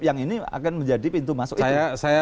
yang ini akan menjadi pintu masuk saya